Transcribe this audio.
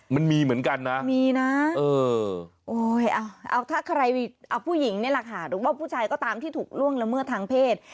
มันมีเหมือนกันนะมีนะเอาถ้าใครเอาผู้หญิงนี่แหละค่ะหรือว่าผู้ชายก็ตามที่ถูกล่วงละเมิดทางเพศ